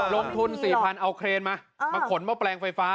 ลงทุน๔๐๐๐เอาเครนมามาขนหม้อแปลงไฟฟ้า